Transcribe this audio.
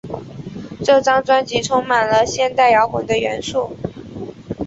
这张专辑充满了现代摇滚的元素。